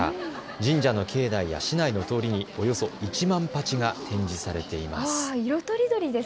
神社の境内や市内の通りにおよそ１万鉢が展示されています。